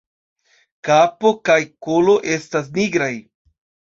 Kapo kaj kolo estas nigraj.